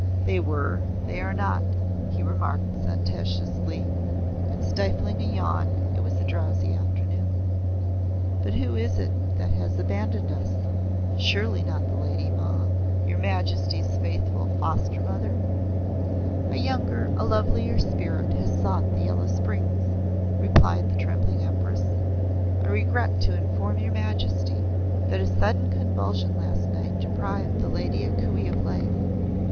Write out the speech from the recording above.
"They were; they are not," he remarked sententiously and stifling a yawn; it was a drowsy afternoon. "But who is it that has abandoned us? Surely not the Lady Ma your Majesty's faithful foster mother?" "A younger, a lovelier spirit has sought the Yellow Springs," replied the trembling Empress. "I regret to inform your Majesty that a sudden convulsion last night deprived the Lady A Kuei of life.